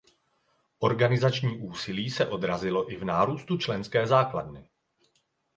Organizační úsilí se odrazilo i v nárůstu členské základny.